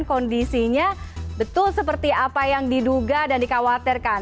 kondisinya betul seperti apa yang diduga dan dikhawatirkan